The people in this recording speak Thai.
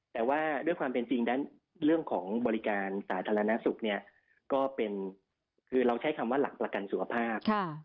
แต่ว่าด้วยความเป็นจริงด้านเรื่องของบริการสาธารณสุขเนี่ยก็คือเราใช้คำว่าหลักประกันสุขภาพ